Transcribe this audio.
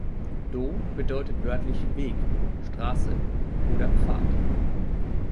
Do bedeutet wörtlich „Weg“, „Straße“ oder „Pfad“.